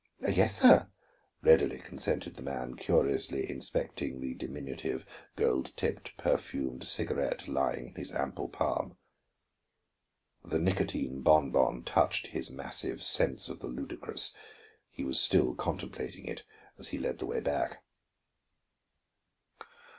"Yes, sir," readily consented the man, curiously inspecting the diminutive, gold tipped, perfumed cigarette lying in his ample palm. The nicotine bon bon touched his massive sense of the ludicrous; he was still contemplating it as he led the way back.